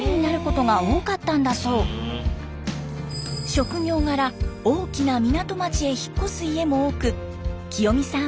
職業柄大きな港町へ引っ越す家も多くキヨミさん